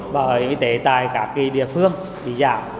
bảo hiểm y tế tại các kỳ địa phương bị giả